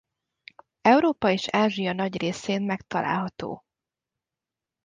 Európa és Ázsia nagy részén megtalálható.